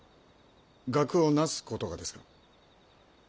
学をなすことがですか？